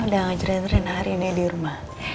udah ngajarin reina hari ini di rumah